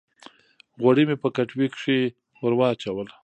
غوړي مې په کټوۍ کښې ور واچول